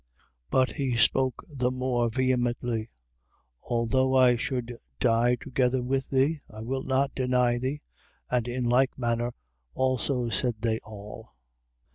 But he spoke the more vehemently: Although I should die together with thee, I will not deny thee. And in like manner also said they all.